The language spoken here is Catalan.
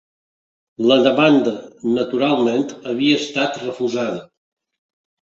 La demanda, naturalment, havia estat refusada.